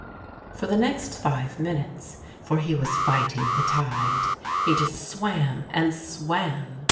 For the next five minutes, for he was fighting the tide, he just swam and swam.